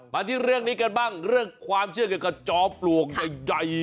มาที่เรื่องนี้กันบ้างเรื่องความเชื่อเกี่ยวกับจอมปลวกใหญ่